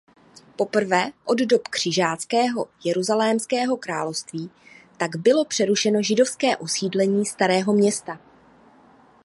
Poprvé od dob křižáckého Jeruzalémského království tak bylo přerušeno židovské osídlení Starého Města.